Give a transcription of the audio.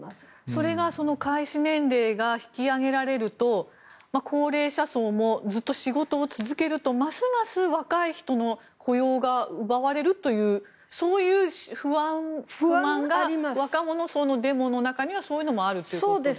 それが開始年齢が引き上げられると高齢者層もずっと仕事を続けるとますます若い人の雇用が奪われるというそういう不安、不満が若者層のデモの中にはそういうのもあるということですね。